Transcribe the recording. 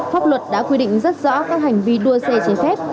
pháp luật đã quy định rất rõ các hành vi đua xe trái phép